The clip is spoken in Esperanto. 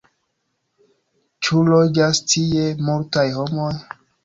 Ĉu loĝas tie multaj homoj?